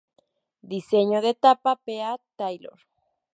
Diseño de tapa: P. A. Taylor.